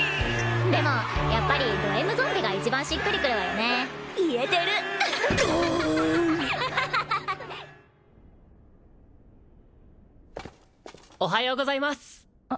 でもやっぱりドＭゾンビが一番しっくりくるわよね言えてるおはようございます